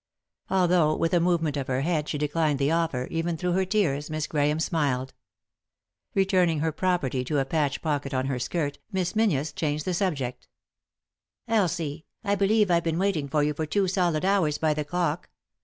Although, with a movement of her head, she declined the offer, even through her tears Miss Grahame smiled. Returning her property to a patch pocket on her skirt, Miss Menzies changed the sub jeer, "Elsie, I believe I've been waiting for you for two solid hours by the clock.